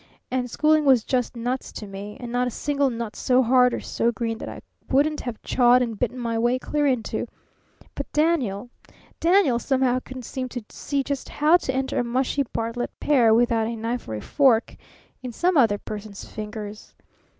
And schooling was just nuts to me, and not a single nut so hard or so green that I wouldn't have chawed and bitten my way clear into it. But Daniel Daniel somehow couldn't seem to see just how to enter a mushy Bartlett pear without a knife or a fork in some other person's fingers.